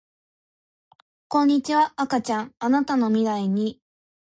こんにちは赤ちゃんあなたの未来に